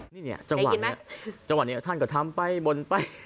ในจังหวัดนี้ท่านก็ทำไปบนไป